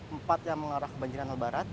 empat yang mengarah ke banjir yang ke barat